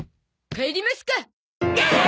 帰りますか。